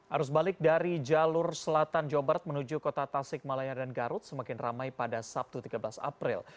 arus balik dari jalur selatan jombard menuju kota tasikmalaya dan garut semakin ramai pada sabtu tiga belas april